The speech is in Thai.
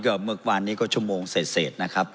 ก็เมื่อวานนี้ก็ชั่วโมงเสร็จนะครับ